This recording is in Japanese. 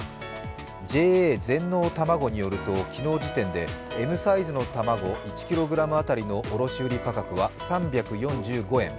ＪＡ全農たまごによると、昨日時点でＭサイズの卵１ｋｇ当たりの卸売価格は３４５円。